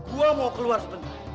gue mau keluar sebentar